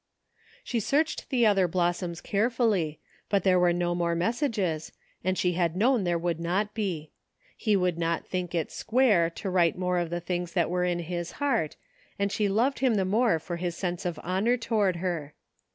She searched the other blossoms carefully, but there were no more messages, and she had known there would not be. He would not think it "square" to write more of the things that were in his heart, and she loved him the more for his sense of honor toward her.